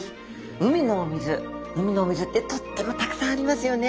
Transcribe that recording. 海のお水海のお水ってとってもたくさんありますよね。